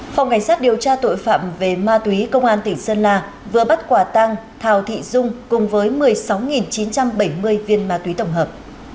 phòng cảnh sát điều tra tội phạm về ma túy công an tỉnh sơn la vừa bắt quả tăng thào thị dung cùng với một mươi sáu chín trăm bảy mươi viên ma túy tổng hợp